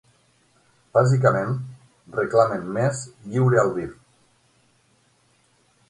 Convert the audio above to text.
Bàsicament, reclamen més "lliure albir".